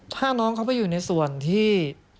ถ้าน้องเขาไปอยู่ในส่วนที่